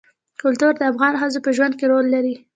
کلتور د افغان ښځو په ژوند کې رول لري.